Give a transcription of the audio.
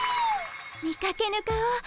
見かけぬ顔。